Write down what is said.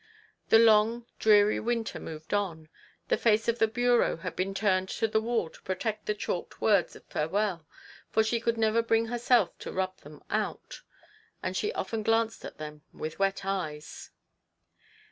The long dreary winter moved on ; the face of the bureau had been turned to the wall to protect the chalked words of farewell, for she could never bring herself to rub them out ; and she often glanced at them with wet eyes.